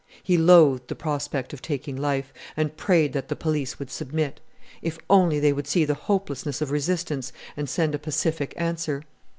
He loathed the prospect of taking life, and prayed that the police would submit! If only they would see the hopelessness of resistance and send a pacific answer!